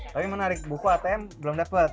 tapi menarik buku atm belum dapat